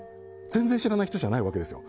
全然知らない人じゃないわけですよ。